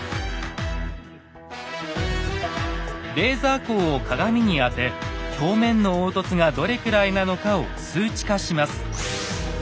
レーザー光を鏡に当て表面の凹凸がどれくらいなのかを数値化します。